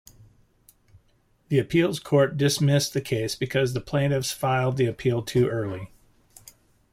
The appeals court dismissed the case because the plaintiffs filed the appeal too early.